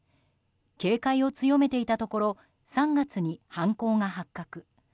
警戒を強めていたところ３月に犯行が発覚。